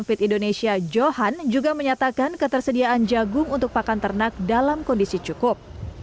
pt indonesia johan juga menyatakan ketersediaan jagung untuk pakan ternak dalam kondisi cukup